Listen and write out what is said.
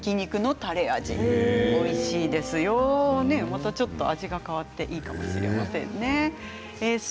またちょっと味が変わっていいかもしれませんね。